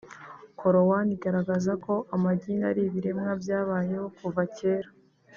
Korowani igaragaza koamagini ari ibiremwa byabayeho kuva kera